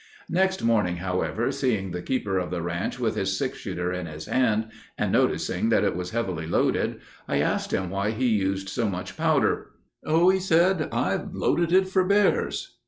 Next morning, however, seeing the keeper of the ranch with his six shooter in his hand, and noticing that it was heavily loaded, I asked him why he used so much powder. "Oh," said he, "I've loaded it for bears."